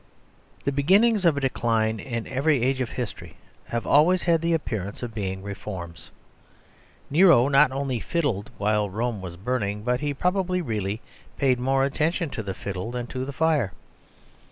The beginnings of a decline, in every age of history, have always had the appearance of being reforms. Nero not only fiddled while Rome was burning, but he probably really paid more attention to the fiddle than to the fire.